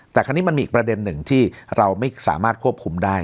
แต่คราวนี้มันมีอีกประเด็นหนึ่งที่เราไม่สามารถควบคุมได้